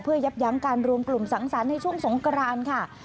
เพื่อยับยั้งการรวมกลุ่มสังสรรค์ในช่วงสงกรานค่ะ